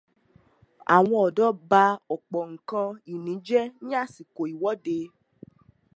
Àwọn ọ̀dọ́ ba ọ̀pọ̀ nǹkan ìníjẹ ní àsìkò ìwóde.